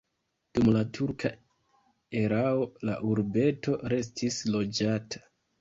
Dum la turka erao la urbeto restis loĝata.